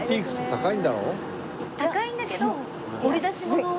高いんだけど掘り出し物は。